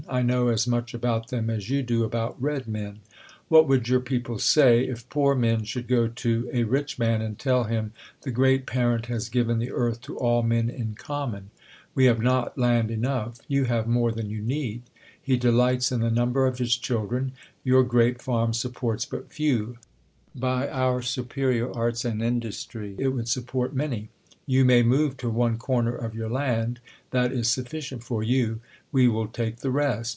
I know as much about them as you do about Red Men. What would your people say, if poor men should go to a rich man, and tell hira, the great Parent has given the earth to all men in common ; we have not land enough ; you have more than you need ; he delights in the number of his chil dren ; your great farm supports but few ; by our supe rior arts and industry, it would support many; you may move to one corner of your land ; that is sufficient for you ; we will take the rest.